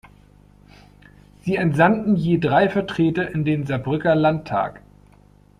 Sie entsandten je drei Vertreter in den Saarbrücker Landtag.